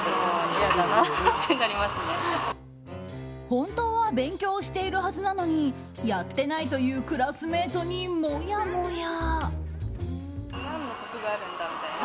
本当は勉強をしているはずなのにやってないと言うクラスメートにもやもや。